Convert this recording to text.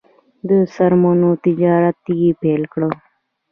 د څرمنو تجارت یې پیل کړ.